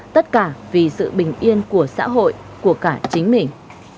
tất cả vì sự bình yên của xã hội của cả chính mình